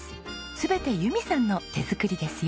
全て由美さんの手作りですよ。